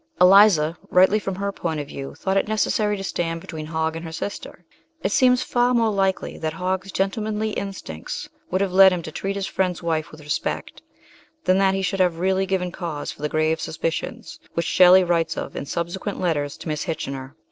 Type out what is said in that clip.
Eliza, rightly from her point of view, thought it necessary to stand between Hogg and her sister. It seems far more likely that Hogg's gentlemanly instincts would have led him to treat his friend's wife with respect than that he should have really given cause for the grave suspicions which Shelley writes of in subsequent letters to Miss Kitchener.